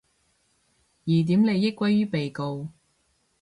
疑點利益歸於被告